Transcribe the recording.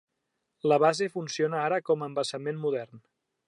La base funciona ara com a embassament modern.